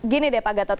gini deh pak gatot